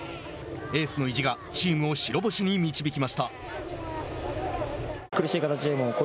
エースの意地がチームを白星に導きました。